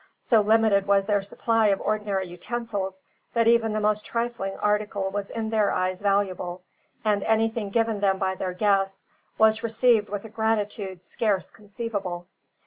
So limited was their supply of ordinary utensils, that even the most trifling article was in their eyes valuable, and anything given them by their guests was received with a gratitude scarce conceivable.